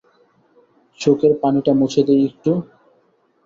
চোখের পানিটা মুছে দিই একটু।